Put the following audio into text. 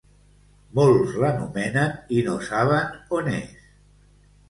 Molts l'anomenen i no saben on és.